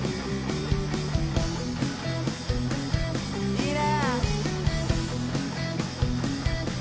いいね！